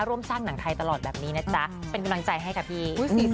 ร่วมสร้างหนังไทยตลอดแบบนี้นะจ๊ะเป็นกำลังใจให้ค่ะพี่